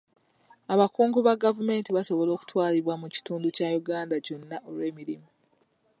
Abakungu ba gavumenti basobola okutwalibwa mu kitundu kya Uganda kyonna olw'emirimu.